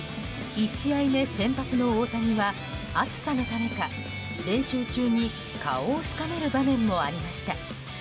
１試合目先発の大谷は暑さのためか練習中に顔をしかめる場面もありました。